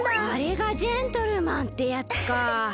あれがジェントルマンってやつか！